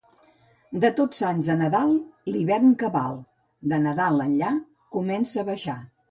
De Tots Sants a Nadal, l'hivern cabal; de Nadal enllà, comença a baixar.